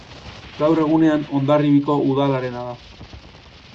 Gaur egunean Hondarribiko Udalarena da.